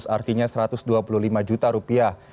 artinya satu ratus dua puluh lima juta rupiah